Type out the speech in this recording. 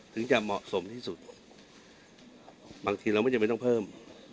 ถึงจะเหมาะสมที่สุดบางทีเราไม่จำเป็นต้องเพิ่ม